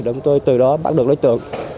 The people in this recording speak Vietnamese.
để chúng tôi từ đó bắt được đối tượng